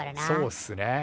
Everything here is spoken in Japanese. そうっすね。